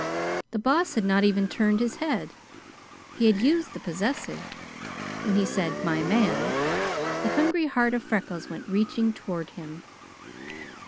The Boss had not even turned his head. He had used the possessive. When he said "my man," the hungry heart of Freckles went reaching toward him.